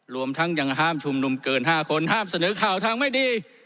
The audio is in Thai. รวมทั้งยังห้ามชุมนุมเกิน๕คนห้ามเสนอข่าวทางไม่ดี